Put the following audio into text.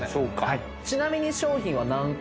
ちなみに。